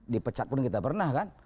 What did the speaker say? di pecat pun kita pernah kan